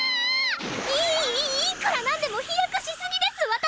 いいいいいくらなんでも飛躍しすぎです私！